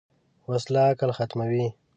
وسله عقل ختموي